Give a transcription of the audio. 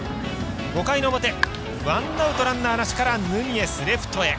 ５回の表、ワンアウトランナーなしからヌニエス、レフトへ。